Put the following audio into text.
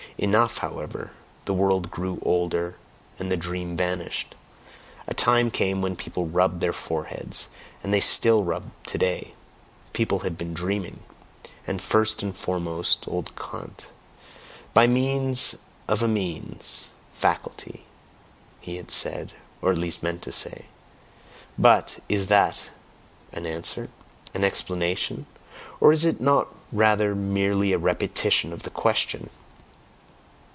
Enough, however the world grew older, and the dream vanished. A time came when people rubbed their foreheads, and they still rub them today. People had been dreaming, and first and foremost old Kant. "By means of a means (faculty)" he had said, or at least meant to say. But, is that an answer? An explanation? Or is it not rather merely a repetition of the question?